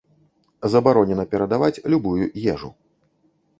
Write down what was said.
Забаронена перадаваць любую ежу.